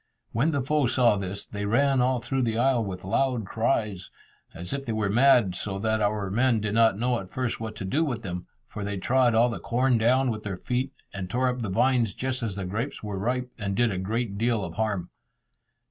When the foe saw this, they ran all through the isle with loud cries, as if they were mad, so that our men did not know at first what to do with them, for they trod all the corn down with their feet, and tore up the vines just as the grapes were ripe, and did a great deal of harm.